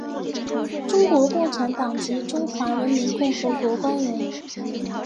中国共产党及中华人民共和国官员。